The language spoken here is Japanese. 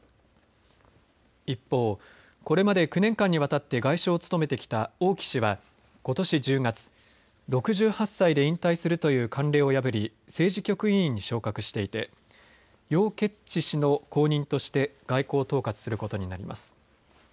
一方、これまで９年間にわたって外相を務めてきた王毅氏はことし１０月、６８歳で引退するという慣例を破り政治局委員に昇格していて楊潔ち氏の後任として外交を統括することになります。